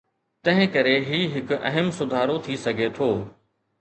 تنهنڪري هي هڪ اهم سڌارو ٿي سگهي ٿو.